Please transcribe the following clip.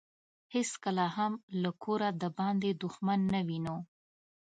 هیڅکله هم له کوره دباندې دښمن نه وينو.